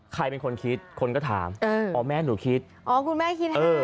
ใครเป็นคนคิดคนก็ถามอ๋อแม่หนูคิดอ๋อคุณแม่คิดให้เออ